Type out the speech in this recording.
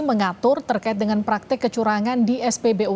mengatur terkait dengan praktik kecurangan di spbu